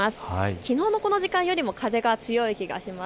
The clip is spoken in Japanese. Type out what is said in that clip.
きのうのこの時間よりも風が強い感じがします。